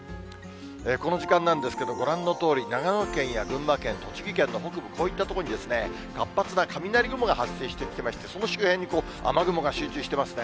この時間なんですけど、ご覧のとおり、長野県や群馬県、栃木県の北部、こういった所に、活発な雷雲が発生してきてまして、その周辺に雨雲が集中してますね。